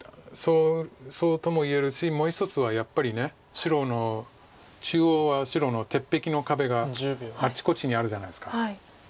そうとも言えるしもう一つはやっぱり白の中央は白の鉄壁の壁があちこちにあるじゃないですか。